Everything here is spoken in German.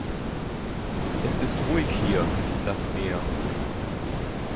Es ist ruhig hier, das Meer.